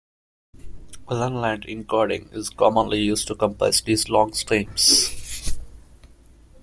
Run-length encoding is commonly used to compress these long streams.